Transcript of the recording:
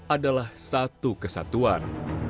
adalah satu kesatuan